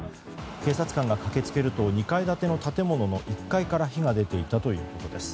警察官が駆け付けると２階建ての建物の１階から火が出ていたということです。